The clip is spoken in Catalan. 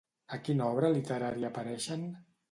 A quina obra literària apareixen?